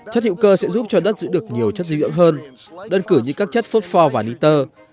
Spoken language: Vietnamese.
chất hữu cơ sẽ giúp cho đất giữ được nhiều chất dư dưỡng hơn đơn cử như các chất phốt pho và niter